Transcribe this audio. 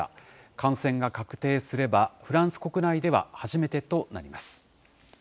感染が確定すれば、フランス国内では初めてとなります。